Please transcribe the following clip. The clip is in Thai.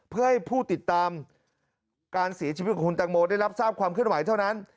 เพื่อให้ผู้ติดตามการเสียชีวิตของคุณตังโมได้รับทราบความเคลื่อนไหวเท่านั้น